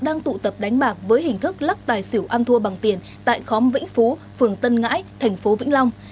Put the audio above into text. đang tụ tập đánh bạc với hình thức lắc tài xỉu ăn thua bằng tiền tại khóm vĩnh phú phường tân ngãi thành phố vĩnh long